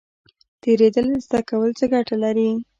تیریدل زده کول څه ګټه لري؟